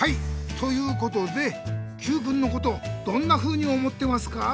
ということでＱくんのことどんなふうに思ってますか？